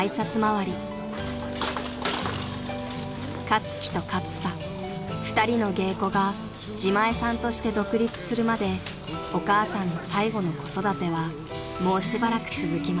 ［勝貴と勝彩２人の芸妓が自前さんとして独立するまでお母さんの最後の子育てはもうしばらく続きます］